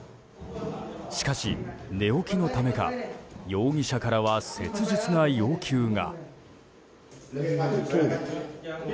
しかし、寝起きのためか容疑者からは切実な要求が。